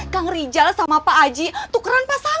kang rijal sama pak aji tukeran pasangan